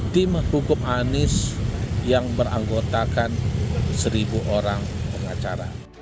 tim hukum anis yang beranggotakan seribu orang pengacara